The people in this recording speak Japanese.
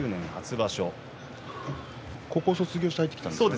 高校を卒業して入ってきたんですよね。